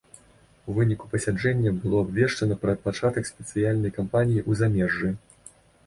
У выніку пасяджэння было абвешчана пра пачатак спецыяльнай кампаніі ў замежжы.